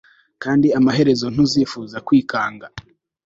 kandi amaherezo, ntuzifuza kwikanga